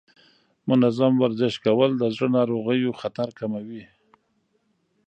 منظم ورزش کول د زړه ناروغیو خطر کموي.